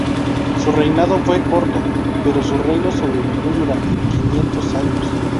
Su reinado fue corto, pero su reino sobrevivió durante quinientos años.